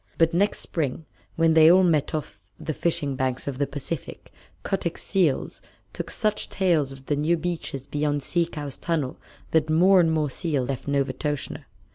But next spring, when they all met off the fishing banks of the Pacific, Kotick's seals told such tales of the new beaches beyond Sea Cow's tunnel that more and more seals left Novastoshnah.